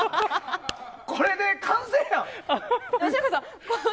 これで完成やん！